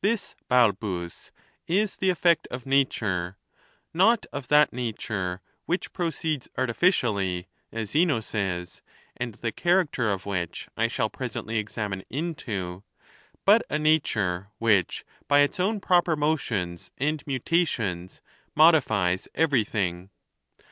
This, Balbus, is the ef fect of nature; not of that nature which proceeds artifi cially, as Zeno says, and the character of which I shall presently examine into, but a nature which, by its own proper motions and mutations, modifies everything.